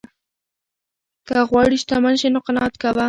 که غواړې شتمن شې نو قناعت کوه.